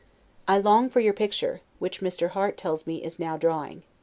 I long for your picture, which Mr. Harte tells me is now drawing.